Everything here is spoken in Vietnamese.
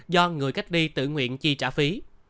do người cách ly tự nguyện chi trả phí